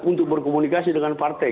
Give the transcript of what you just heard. untuk berkomunikasi dengan partai